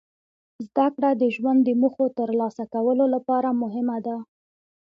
زدهکړه د ژوند د موخو ترلاسه کولو لپاره مهمه ده.